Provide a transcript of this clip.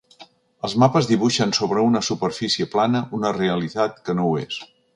Els mapes dibuixen sobre una superfície plana una realitat que no ho és.